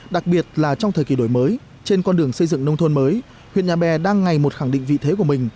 đặc biệt là trong thời kỳ đổi mới trên con đường xây dựng nông thôn mới huyện nhà bè đang ngày một khẳng định vị thế của mình